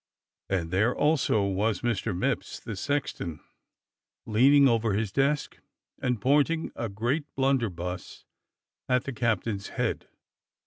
And there was also Mr. Mipps, the sexton, leaning over his desk and pointing a great blunderbuss at the captain's head.